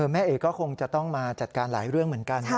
แม่เอกก็คงจะต้องมาจัดการหลายเรื่องเหมือนกัน